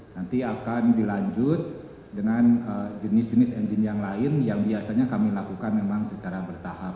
nanti akan dilanjut dengan jenis jenis engine yang lain yang biasanya kami lakukan memang secara bertahap